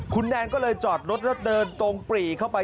คุณแนนก็เลยจอดรถแล้วเดินตรงปรีเข้าไป